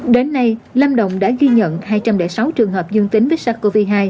đến nay lâm đồng đã ghi nhận hai trăm linh sáu trường hợp dương tính với sars cov hai